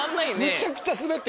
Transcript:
むちゃくちゃ滑って。